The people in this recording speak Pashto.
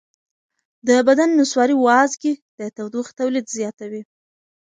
د بدن نسواري وازګې د تودوخې تولید زیاتوي.